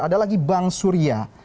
ada lagi bank suria